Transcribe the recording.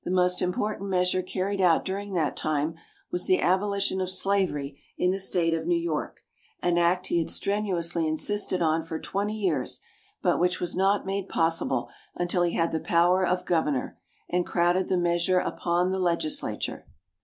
The most important measure carried out during that time was the abolition of slavery in the State of New York, an act he had strenuously insisted on for twenty years, but which was not made possible until he had the power of Governor, and crowded the measure upon the Legislature.